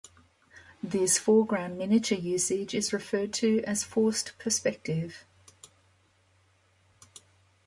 This foreground miniature usage is referred to as forced perspective.